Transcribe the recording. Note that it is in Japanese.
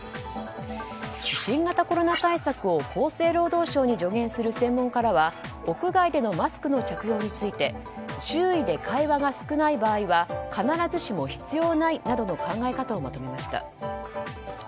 新型コロナ対策を厚生労働省に助言する専門家らは屋外でのマスクの着用について周囲で会話が少ない場合は必ずしも必要ないなどの考え方をまとめました。